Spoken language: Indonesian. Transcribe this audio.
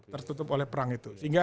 tertutup oleh perang itu